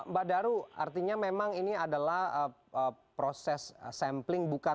mbak daru artinya memang ini adalah proses sampling bukan